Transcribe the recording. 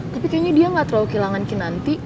tapi kayaknya dia gak terlalu kehilangan kinanti